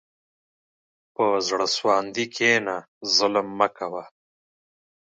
په زړه سواندي کښېنه، ظلم مه کوه.